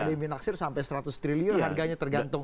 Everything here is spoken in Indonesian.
ada yang menaksir sampai seratus triliun harganya tergantung